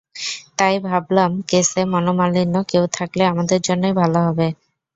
তাই ভাবলাম কেসে মনমালিন্য কেউ থাকলে আমাদের জন্যই ভালো হবে।